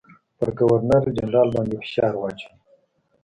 پر ګورنرجنرال باندي فشار واچوي.